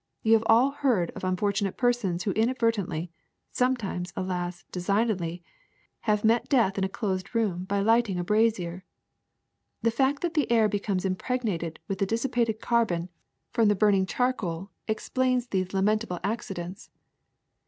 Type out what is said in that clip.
You have all heard of unfortu nate persons who inadvertently — sometimes, alas! designedly — have met death in a closed room by lighting a brazier. The fact that the air becomes impregnated with the dissipated carbon from the COMBUSTION m burning charcoal explains these lamentable acci dents.